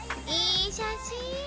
いい写真！